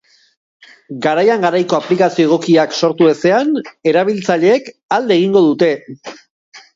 Garaian garaiko aplikazio egokiak sortu ezean, erabiltzaileek alde egingo dute.